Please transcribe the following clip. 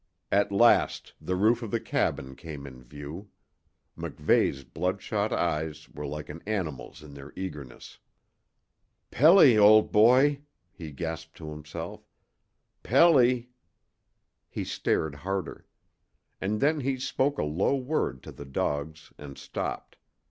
At last the roof of the cabin came in view. MacVeigh's bloodshot eyes were like an animal's in their eagerness. "Pelly, old boy," he gasped to himself. "Pelly " He stared harder. And then he spoke a low word to the dogs and stopped.